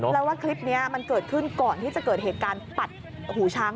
แล้วว่าคลิปนี้มันเกิดขึ้นก่อนที่จะเกิดเหตุการณ์ปัดหูช้าง